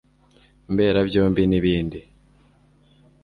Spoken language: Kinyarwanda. mbera byombi n ibindi